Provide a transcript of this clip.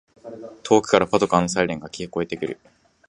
遠くからパトカーのサイレンが聞こえてくる